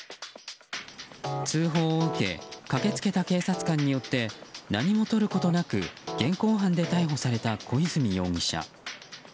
通報を受け駆けつけた警察官によって何もとることなく現行犯で逮捕された小泉容疑者。